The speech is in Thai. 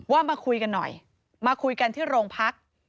มาคุยกันหน่อยมาคุยกันที่โรงพัก